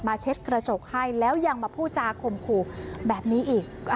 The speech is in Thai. เช็ดกระจกให้แล้วยังมาพูดจาข่มขู่แบบนี้อีก